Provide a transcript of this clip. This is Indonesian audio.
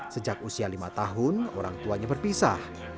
sejak usia lima tahun orang tuanya berpisah